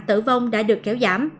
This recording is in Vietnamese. tử vong đã được kéo giảm